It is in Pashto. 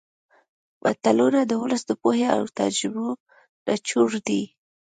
متلونه د ولس د پوهې او تجربو نچوړ دي